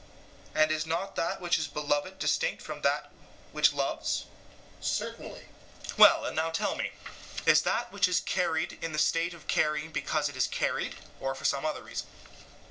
SOCRATES: And is not that which is beloved distinct from that which loves? EUTHYPHRO: Certainly. SOCRATES: Well; and now tell me, is that which is carried in this state of carrying because it is carried, or for some other reason?